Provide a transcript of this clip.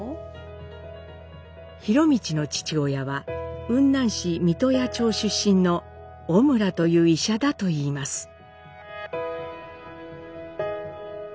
博通の父親は雲南市三刀屋町出身の小村という医者だといいます。